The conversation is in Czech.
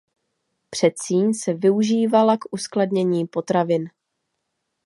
Předsíň se využívala k uskladnění potravin.